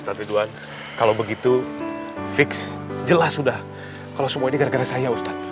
tapi dua kalau begitu fix jelas sudah kalau semua ini gara gara saya ustadz